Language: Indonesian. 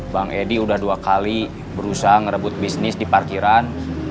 bang edi udah dua kali berusaha ngerebut bisnis di parkiran